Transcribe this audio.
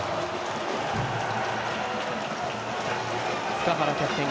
塚原キャプテン